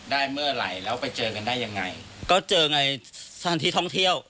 ได้เมื่อไหร่แล้วไปเจอกันได้ยังไงก็เจอไงสถานที่ท่องเที่ยว